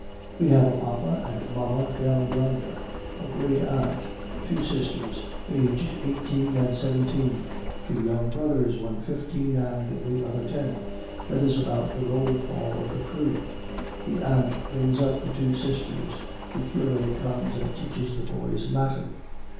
We have a papa and mamma down yonder, a great aunt, two sisters (aged eighteen and seventeen), two young brothers (one fifteen, and the other ten), that is about the roll call of the crew. The aunt brings up the two sisters; the cure comes and teaches the boys Latin.